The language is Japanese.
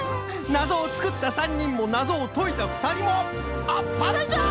なぞをつくった３にんもなぞをといたふたりもあっぱれじゃ！